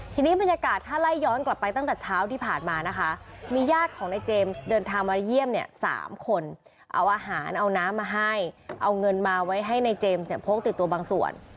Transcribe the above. ทีนี้บรรยากาศถ้าไล่ย้อนกลับไปตั้งแต่เช้าที่ผ่านมานะคะมีญาติของนายเจมส์เดินทางมาเยี่ยมเนี่ย๓คนเอาอาหารเอาน้ำมาให้เอาเงินมาไว้ให้ในเจมส์เนี่ยพกติดตัวบางส่วน